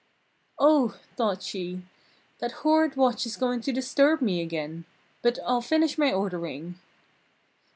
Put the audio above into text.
"Oh!" thought she, "that horrid watch is going to disturb me again! But I'll finish my ordering!"